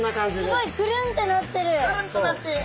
すごいくるんってなってる！